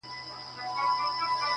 څارنوال ته سو معلوم اصلیت د وروره,